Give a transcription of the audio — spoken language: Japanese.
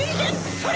それ！